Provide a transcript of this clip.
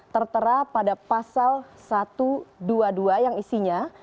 tertera pada pasal satu ratus dua puluh dua yang isinya